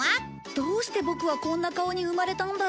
どうしてボクはこんな顔に生まれたんだろう